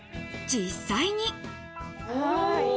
実際に。